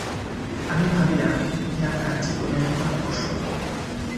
আমি ভাবিলাম, ইহা কার্যে পরিণত করা অসম্ভব।